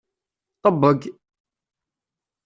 Ṭebbeg!